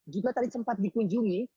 juga tadi sempat dikunjungi